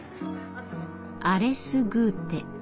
アレスグーテ。